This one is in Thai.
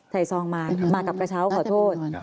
ซองมามากับกระเช้าขอโทษ